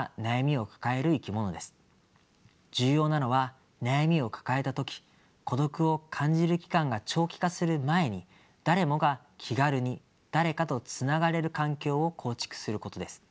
重要なのは悩みを抱えた時孤独を感じる期間が長期化する前に誰もが気軽に誰かとつながれる環境を構築することです。